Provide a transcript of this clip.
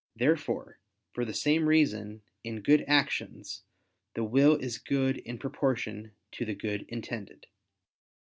Therefore, for the same reason, in good actions, the will is good in proportion to the good intended.